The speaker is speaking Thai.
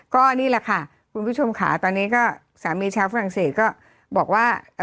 ก็นี่แหละค่ะคุณผู้ชมค่ะตอนนี้ก็สามีชาวฝรั่งเศสก็บอกว่า